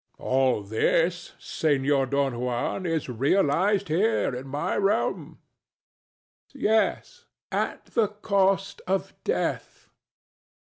THE DEVIL. All this, Senor Don Juan, is realized here in my realm. DON JUAN. Yes, at the cost of death.